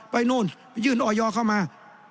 ไปนู่นยื่นออยอร์เข้ามา